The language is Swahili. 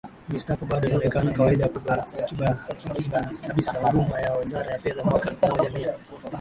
Gestapo bado inaonekana kawaida kabisahuduma ya wizara ya fedha Mwaka elfu moja mia